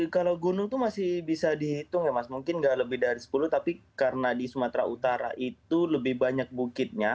kalau gunung itu masih bisa dihitung ya mas mungkin nggak lebih dari sepuluh tapi karena di sumatera utara itu lebih banyak bukitnya